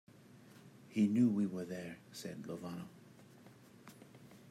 "He knew we were there," said Lovano.